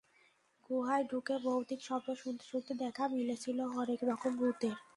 গুহায় ঢুকে ভৌতিক শব্দ শুনতে শুনতে দেখা মিলেছিল হরেক রকম ভূতের।